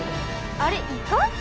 あれイカ？